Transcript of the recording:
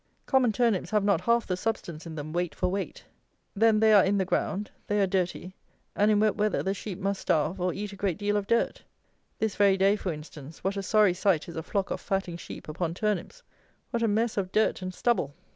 Common turnips have not half the substance in them weight for weight. Then they are in the ground; they are dirty, and in wet weather the sheep must starve, or eat a great deal of dirt. This very day, for instance, what a sorry sight is a flock of fatting sheep upon turnips; what a mess of dirt and stubble!